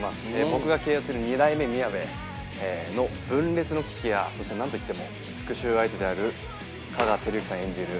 僕が経営する二代目みやべの分裂の危機やそしてなんといっても復讐相手である香川照之さん演じる